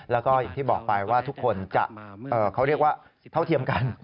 แล้วก็อย่างที่บอกไปว่าทุกคนจะเขาเรียกว่าเท่าเทียมกัน